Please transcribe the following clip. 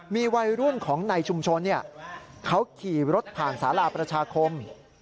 มีวัยรุ่นของในชุมชนเขาขี่รถผ่านสาราประชาคม